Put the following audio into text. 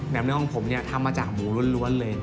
แนมเนืองของผมทำมาจากหมูร้วนเลย